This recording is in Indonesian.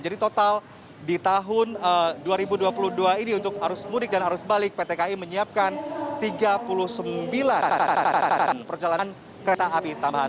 jadi total di tahun dua ribu dua puluh dua ini untuk arus mudik dan arus balik pt kai menyiapkan tiga puluh sembilan perjalanan kereta api tambahan